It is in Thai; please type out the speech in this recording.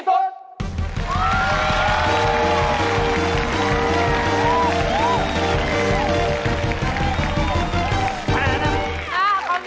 โอ้โฮ